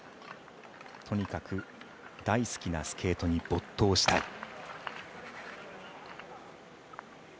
とにかく大好きなスケートに没頭したい。